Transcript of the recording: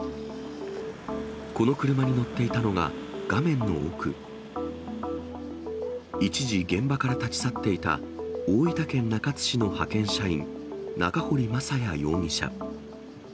この車に乗っていたのが、画面の奥、一時、現場から立ち去っていた大分県中津市の派遣社員、中堀正也容疑者。